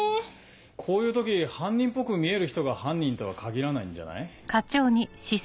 こういう時犯人っぽく見える人が犯人とは限らないんじゃない？